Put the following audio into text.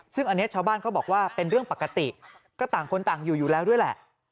ซึ่งอันนี้ชาวบ้านเขาบอกว่าเป็นเรื่องปกติก็ต่างคนต่างอยู่อยู่แล้วด้วยแหละ